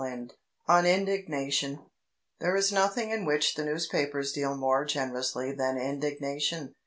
XIV ON INDIGNATION There is nothing in which the newspapers deal more generously than indignation.